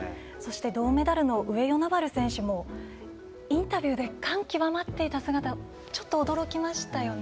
銅メダルの上与那原選手もインタビューで感極まっていた姿ちょっと驚きましたよね。